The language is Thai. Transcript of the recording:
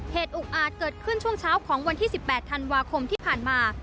เหตุอุกอาจเกิดขึ้นช่วงเช้าของวันที่๑๘ธันวาคมที่ผ่านมา